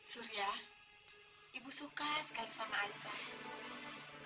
surya ibu suka sekali sama aisyah